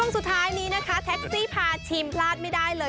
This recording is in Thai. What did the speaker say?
สุดท้ายนี้นะคะแท็กซี่พาชิมพลาดไม่ได้เลย